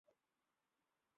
তিনি পরলোক গমন করেন ।